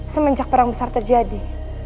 semenjak perang besar terjadi